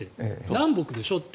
南北でしょって。